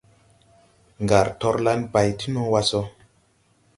Ngar torlan bay ti no wa so.